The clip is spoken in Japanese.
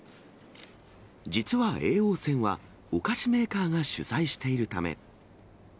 実は叡王戦は、お菓子メーカーが主催しているため。